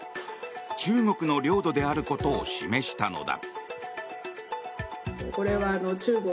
中国の領土であることを示したのだ。